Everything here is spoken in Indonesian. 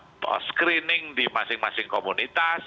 untuk screening di masing masing komunitas